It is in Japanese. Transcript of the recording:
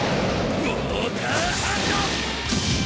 ウォーターハンド！